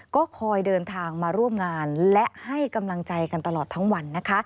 ก็คอยเดินทางมาร่วมงานและให้กำลังใจกันตลอดทั้งวันนะคะ